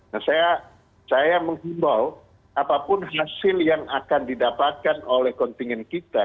nah saya menghimbau apapun hasil yang akan didapatkan oleh kontingen kita